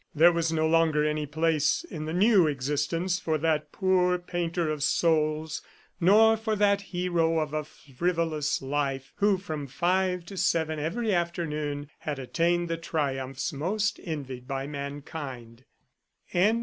There was no longer any place in the new existence for that poor painter of souls, nor for that hero of a frivolous life who, from five to seven every afternoon, had attained the triumphs most envied by mankind.